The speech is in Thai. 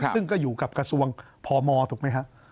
ซึ่งก็อยู่กับกระทรวงพมถูกไหมครับ